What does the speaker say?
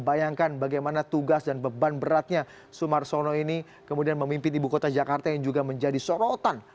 bayangkan bagaimana tugas dan beban beratnya sumarsono ini kemudian memimpin ibu kota jakarta yang juga menjadi sorotan